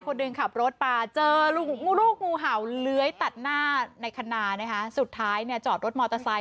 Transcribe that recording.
คนหนึ่งขับรถป่าเจอลูกงูห่าวเลื้อยตัดหน้าในขนาสุดท้ายจอดรถมอเตอร์ไซด์